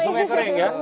sungai kering ya